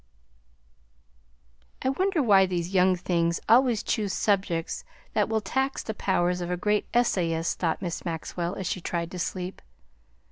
"I wonder why these young things always choose subjects that would tax the powers of a great essayist!" thought Miss Maxwell, as she tried to sleep.